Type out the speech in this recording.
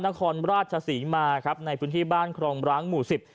นครราชศรีมาครับในพื้นที่บ้านครองร้างหมู่สิบ